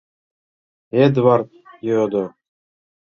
— Эдвард йодо.